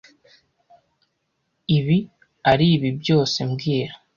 Ibi aribi byose mbwira